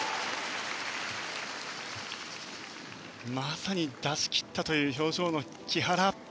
まさに出しきったという表情の木原。